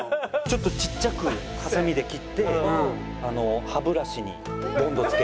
ちょっとちっちゃくはさみで切って歯ブラシにボンドつけて。